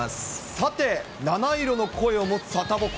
さて、七色の声を持つサタボー。